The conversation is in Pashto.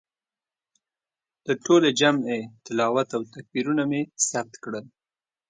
د ټولې جمعې تلاوت او تکبیرونه مې ثبت کړل.